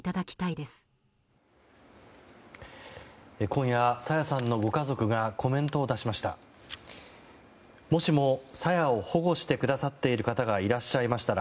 今夜、朝芽さんのご家族がコメントを出しました。